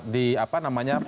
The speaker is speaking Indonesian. di apa namanya